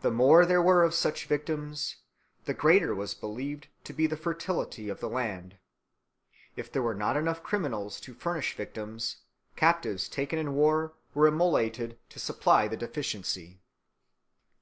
The more there were of such victims, the greater was believed to be the fertility of the land. If there were not enough criminals to furnish victims, captives taken in war were immolated to supply the deficiency.